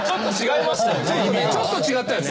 ちょっと違ったよね。